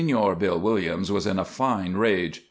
II Señor Bill Williams was in a fine rage.